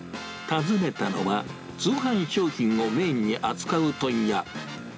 訪ねたのは、通販商品をメインに扱う問屋。